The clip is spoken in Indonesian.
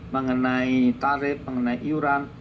mengenai tarif mengenai iuran